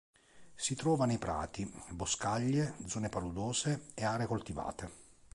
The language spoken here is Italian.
Si trova nei prati, boscaglie, zone paludose e aree coltivate.